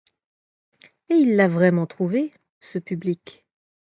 Et il l'a vraiment trouvé, ce public.